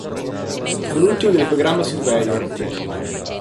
Fu l'ultimo del Programma Surveyor.